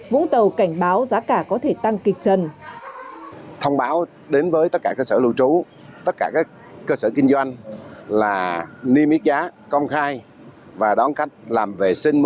vũng tàu cảnh báo giá cả có thể tăng kịch trần